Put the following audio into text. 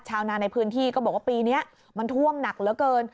ชาวนาในพื้นที่ก็บอกว่าปีนี้มันท่วมหนักเหลือเกิน